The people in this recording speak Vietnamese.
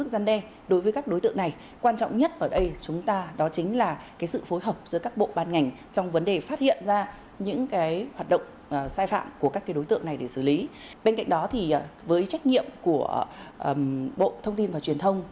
bên cạnh đó thì với trách nhiệm của bộ thông tin và truyền thông